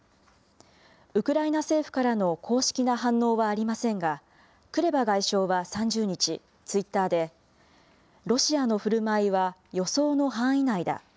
ウクライナ政府からの公式な反応はありませんが、クレバ外相は３０日、ツイッターで、ロシアのふるまいは予想の範囲内だ。